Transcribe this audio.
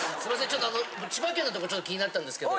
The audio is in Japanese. ちょっとあの千葉県のとこちょっと気になったんですけど。